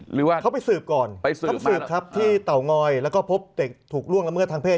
หรือว่าเขาไปสืบก่อนไปสืบเขาสืบครับที่เตางอยแล้วก็พบเด็กถูกล่วงละเมิดทางเพศ